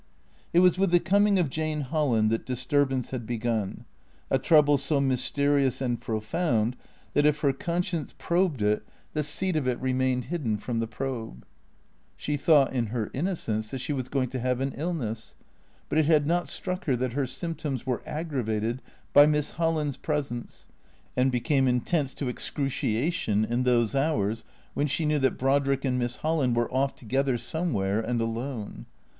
It was with the coming of Jane Holland that disturbance had begun; a trouble so mysterious and profound that, if her con science probed it, the seat of it remained hidden from the probe. She thought, in her innocence, that she was going to have an illness ; but it had not struck her that her symptoms were aggra vated by Miss Holland's presence and became intense to excru ciation in those hours when she knew that Brodrick and Miss Holland were off together somewhere, and alone.